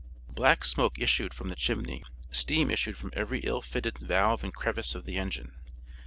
Black smoke issued from the chimney; steam issued from every ill fitted valve and crevice of the engine.